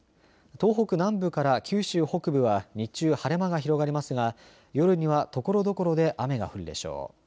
東北南部から九州北部は日中晴れ間が広がりますが夜にはところどころで雨が降るでしょう。